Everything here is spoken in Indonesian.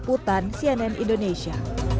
utan cnn indonesia